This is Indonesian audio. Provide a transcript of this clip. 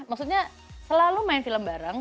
maksudnya selalu main film bareng